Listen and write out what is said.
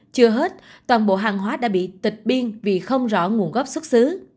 chưa hết toàn bộ hàng hóa đã bị tịch biên vì không rõ nguồn gốc xuất xứ